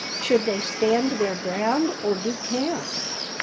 Should they stand their ground or decamp?